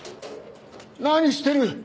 何してる！